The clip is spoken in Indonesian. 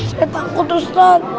saya takut ustadz